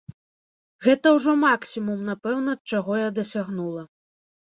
Гэта ўжо максімум, напэўна, чаго я дасягнула.